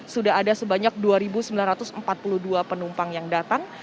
sudah ada sebanyak dua sembilan ratus empat puluh dua penumpang yang datang